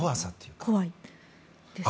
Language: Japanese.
怖いですね。